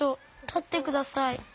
たってください。